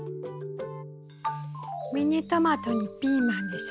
ミニトマトにピーマンでしょ。